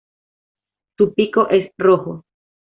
Su pico es rojo.